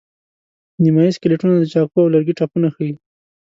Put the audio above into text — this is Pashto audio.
نیمایي سکلیټونه د چاقو او لرګي ټپونه ښيي.